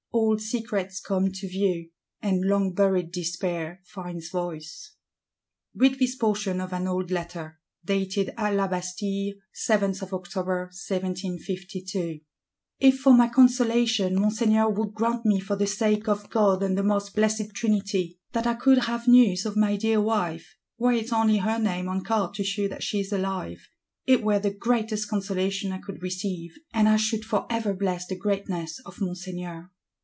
Old secrets come to view; and long buried Despair finds voice. Read this portion of an old Letter: "If for my consolation Monseigneur would grant me for the sake of God and the Most Blessed Trinity, that I could have news of my dear wife; were it only her name on card to shew that she is alive! It were the greatest consolation I could receive; and I should for ever bless the greatness of Monseigneur."